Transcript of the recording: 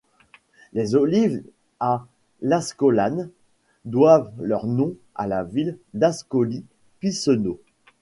Les olives à l'ascolane doivent leur nom à la ville d'Ascoli Piceno.